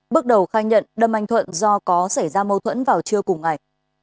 bước đầu khai nhận đâm anh thuận do có xảy ra mâu thuẫn vào trưa cùng ngày